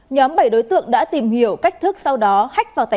nhóm bảy đối tượng đã tìm hiểu cách thức sau đó hách vào tài